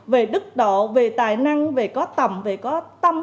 về đức độ về tài năng về có tầm về có tâm